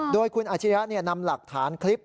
โดยคุณอาชิริยะนำหลักฐานคลิป